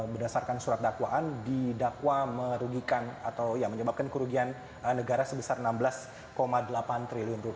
berdasarkan surat dakwaan didakwa merugikan atau yang menyebabkan kerugian negara sebesar rp enam belas delapan triliun